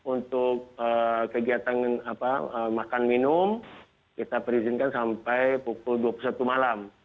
untuk kegiatan makan minum kita perizinkan sampai pukul dua puluh satu malam